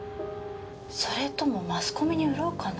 それともマスコミに売ろうかな。